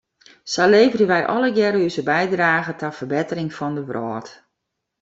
Sa leverje wij allegearre ús bydrage ta ferbettering fan de wrâld.